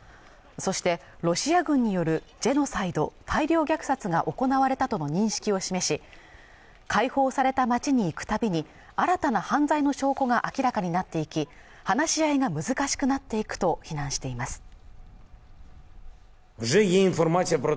そしてロシア軍によるジェノサイド＝大量虐殺が行われたとの認識を示し解放された街に行くたびに新たな犯罪の証拠が明らかになっていき話し合いが難しくなっていくと非難しています